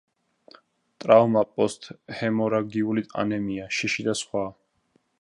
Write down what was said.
ტრავმა, პოსტჰემორაგიული ანემია, შიში და სხვა.